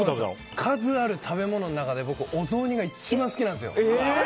数ある食べ物の中で、僕お雑煮が一番好きなんですよ。